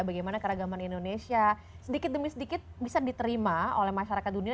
bagaimana keragaman indonesia sedikit demi sedikit bisa diterima oleh masyarakat dunia